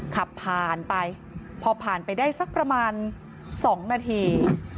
ขับผ่านไปพอผ่านไปได้สักประมาณ๒นาที